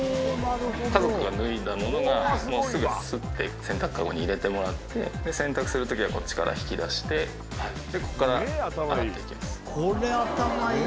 家族が脱いだものがもうすぐすって洗濯カゴに入れてもらってで洗濯するときはこっちから引き出してでここから洗っていきます。